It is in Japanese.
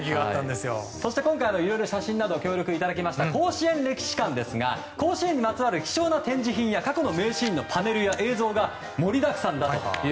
そして今回、いろいろ写真などを協力いただいた甲子園歴史館ですが甲子園にまつわる貴重な展示品や過去の名シーンのパネルや映像が盛りだくさんだと。